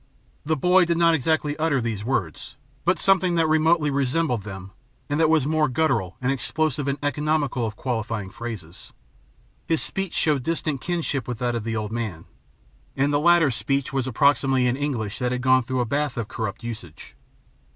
The boy did not exactly utter these words, but something that remotely resembled them and that was more guttural and explosive and economical of qualifying phrases. His speech showed distant kinship with that of the old man, and the latter's speech was approximately an English that had gone through a bath of corrupt usage.